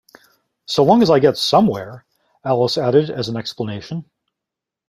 ‘—so long as I get somewhere,’ Alice added as an explanation.